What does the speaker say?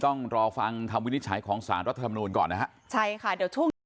มันก็ได้ปกติว่าคนปกติกันแหละแต่คนปกติก็อยากให้ไปอยากให้อยู่